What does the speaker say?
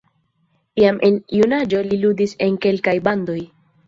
Jam en junaĝo li ludis en kelkaj bandoj.